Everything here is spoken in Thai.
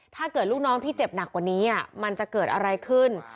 ถ้าเกิดลูกน้องพี่เจ็บหนักกว่านี้มันจะเกิดอะไรขึ้น